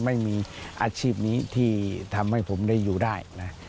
ไม่มีอาชีพนี้ที่ทำให้ผมได้อยู่ได้นะ